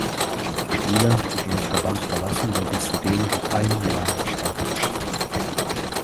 Spieler, die den Verband verlassen, werden zudem mit einem Jahr Sperre bestraft.